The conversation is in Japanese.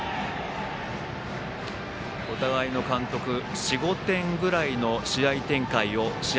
お互いの監督、４５点ぐらいの試合展開を試合